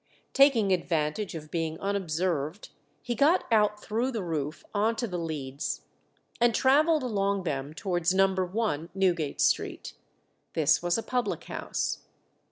Taking advantage of being unobserved, he got out through the roof on to the leads, and travelled along them towards No. 1, Newgate Street. This was a public house.